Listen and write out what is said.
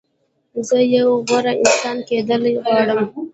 زه یو غوره انسان کېدل غواړم.